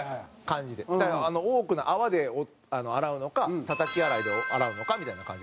だからあの多くの泡で洗うのかたたき洗いで洗うのかみたいな感じ。